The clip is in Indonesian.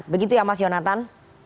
begitu ya mas yonatan